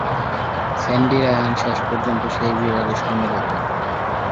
Sandy Ryan শেষ পর্যন্ত সেই বিভাগে স্বর্ণ জেতেন।